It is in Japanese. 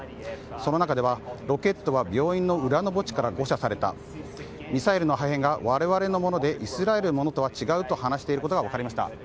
その中ではロケットは病院の裏の墓地から誤射されたミサイルの破片が我々のものでイスラエルのものとは違うと話していることが分かりました。